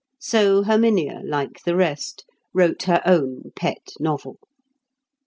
So Herminia, like the rest, wrote her own pet novel.